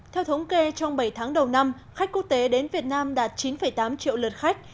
theo thống kê trong bảy tháng đầu năm khách quốc tế đến việt nam đạt chín tám triệu lượt khách